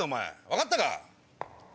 分かったか。